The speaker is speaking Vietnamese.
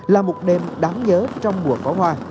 là một đêm đáng nhớ trong mùa phá hoa